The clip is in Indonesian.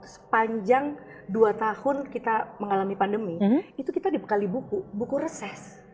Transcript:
sepanjang dua tahun kita mengalami pandemi itu kita dibekali buku buku reses